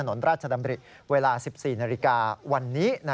ถนนราชดำริเวลา๑๔นาฬิกาวันนี้